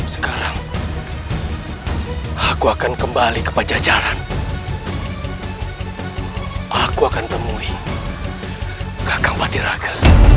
sekarang aku akan kembali ke pajajaran aku akan temui kakak patiraga